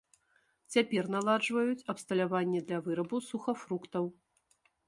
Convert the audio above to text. Цяпер наладжваюць абсталяванне для вырабу сухафруктаў.